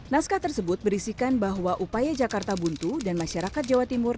naskah tersebut berisikan bahwa upaya jakarta buntu dan masyarakat jawa timur